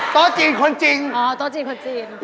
โต๊ะจีนคนจีนอ๋อโต๊ะจีนคนจีน